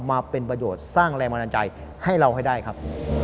มาเป็นประโยชน์สร้างแรงบันดาลใจให้เราให้ได้ครับ